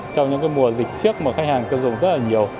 trong những mùa dịch trước mà khách hàng tiêu dùng rất là nhiều